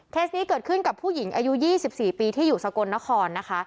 นี้เกิดขึ้นกับผู้หญิงอายุ๒๔ปีที่อยู่สกลนครนะคะ